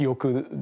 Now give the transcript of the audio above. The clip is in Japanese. で